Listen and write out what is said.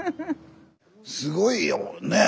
すごいよねえ。